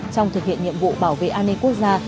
trong thực hiện nhiệm vụ bảo vệ an ninh quốc gia